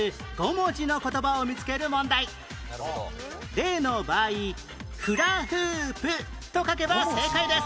例の場合「フラフープ」と書けば正解です